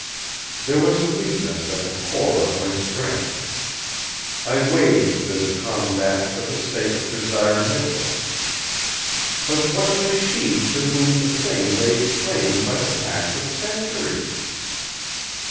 There was a weakness at the core of my strength. I waged this combat for the sake of Desire Michell. _But what was she to whom the Thing laid claim by the pact of centuries?